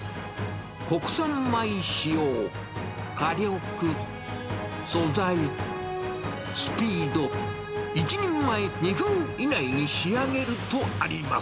国産米使用、火力、素材、スピード、１人前２分以内に仕上げるとあります。